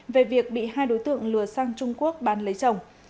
về việc bị hai đối tượng lừa sang trung quốc bán lấy chồng